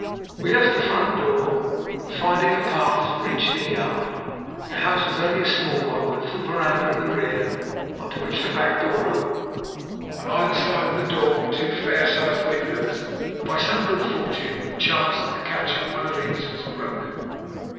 We left the front door, and finding a path reached the yard. The house was only a small one, with a little verandah at the rear on to which the back door opened. On either side of the door were two fair sized windows, and by some good fortune it chanced that the catch of one of these was broken.